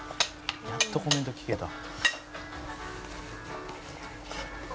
「やっとコメント聞けた」